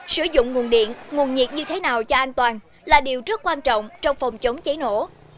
sử dụng nguồn điện nguồn nhiệt như thế nào cho an toàn là điều rất quan trọng trong phòng chống cháy nổ